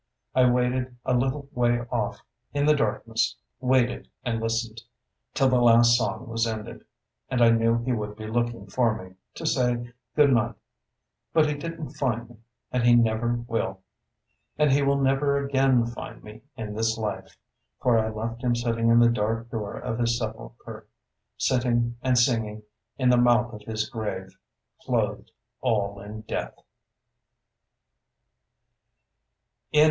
I waited, a little way off, in the darkness, waited and listened, till the last song was ended, and I knew he would be looking for me, to say Good night. But he didn't find me; and he will never again find me in this life, for I left him sitting in the dark door of his sepulchre, sitting and singing in the mouth of his grave, clothed all in death.